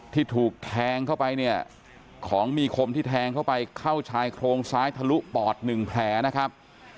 ที่ถูกแทงเข้าไปเนี่ยของมีคมที่แทงเข้าไปเข้าชายโครงซ้ายทะลุปอด๑แผลนะครับ